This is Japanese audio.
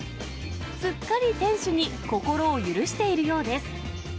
すっかり店主に心を許しているようです。